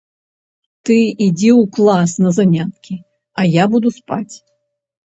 Ты ідзі ў клас на заняткі, а я буду спаць.